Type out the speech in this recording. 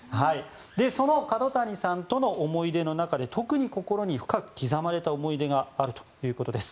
その角谷さんとの思い出の中で特に心に深く刻まれた思い出があるということです。